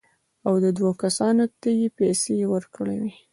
او دوو کسانو ته یې پېسې ورکړې وې.